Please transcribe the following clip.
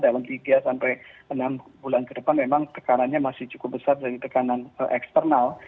dalam tiga sampai enam bulan ke depan memang tekanannya masih cukup besar dari tekanan eksternal